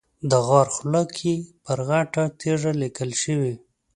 د غار خوله کې پر غټه تیږه لیکل شوي.